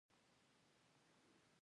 پلانکي قومندان د پلاني لور په زوره وکړه.